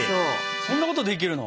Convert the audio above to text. そんなことできるの？